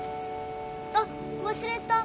あっ忘れた。